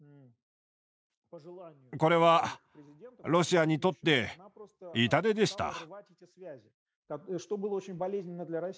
これはロシアにとって痛手でした。